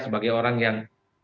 sebagai orang yang